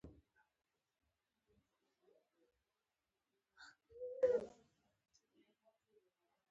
په افغانستان کې د کلیزو منظره خورا ډېر او ډېر زیات بنسټیز اهمیت لري.